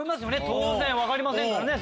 当然分かりませんからね。